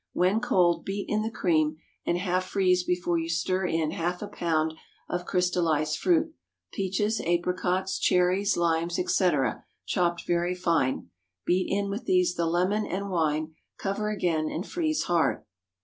When cold, beat in the cream, and half freeze before you stir in half a pound of crystallized fruit—peaches, apricots, cherries, limes, etc., chopped very fine. Beat in with these the lemon and wine; cover again, and freeze hard.